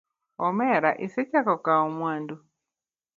Omera isechako kawo mwandu.